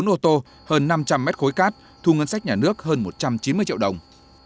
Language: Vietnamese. bốn ô tô hơn năm trăm linh mét khối cát thu ngân sách nhà nước hơn một trăm chín mươi triệu đồng